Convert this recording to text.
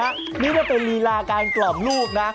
นี่ก็เป็นลีลาการกล่อมลูกนะ